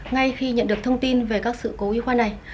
ngay khi nhận được thông tin về các sự cố y khoa này